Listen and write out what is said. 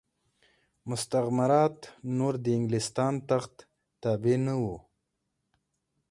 مستعمرات نور د انګلستان تخت تابع نه وو.